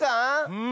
うん。